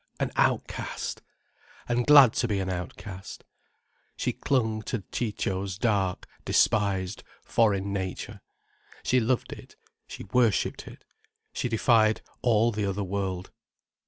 An outcast! And glad to be an outcast. She clung to Ciccio's dark, despised foreign nature. She loved it, she worshipped it, she defied all the other world.